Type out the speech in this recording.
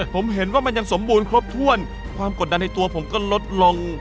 ผมเห็นว่ามันยังสมบูรณ์ครบถ้วนความกดดันในตัวผมก็ลดลง